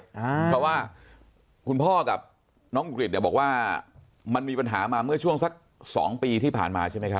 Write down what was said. เพราะว่าคุณพ่อกับน้องกริจเนี่ยบอกว่ามันมีปัญหามาเมื่อช่วงสัก๒ปีที่ผ่านมาใช่ไหมครับ